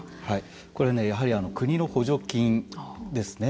これやはり国の補助金ですね。